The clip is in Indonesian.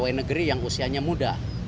pegawai negeri yang usianya muda